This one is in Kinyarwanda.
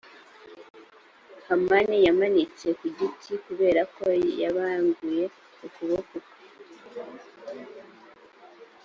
hamani yamanitswe ku giti kubera ko yabanguye ukuboko kwe